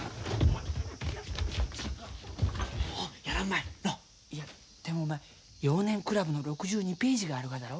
いやでもお前「幼年クラブ」の６２ページがあるがだろ